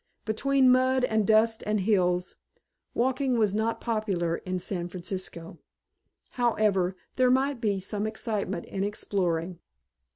Between mud and dust and hills, walking was not popular in San Francisco. However, there might be some excitement in exploring.